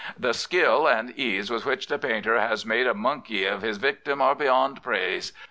Th' skill an' ease with which th' painter has made a monkey iv his victim are beyond praise.